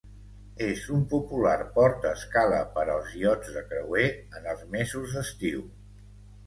És un popular port d'escala per als iots de creuer en els mesos d'estiu.